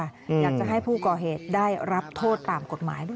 อยากจะให้ผู้ก่อเหตุได้รับโทษตามกฎหมายด้วย